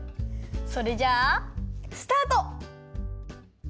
それじゃあスタート！